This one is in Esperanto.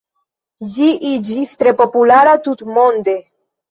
Ĝi iĝis tre populara tutmonde.